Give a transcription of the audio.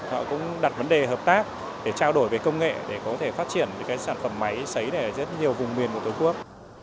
họ cũng đặt vấn đề hợp tác để trao đổi về công nghệ để có thể phát triển những cái sản phẩm máy xấy này ở rất nhiều vùng miền của tổ quốc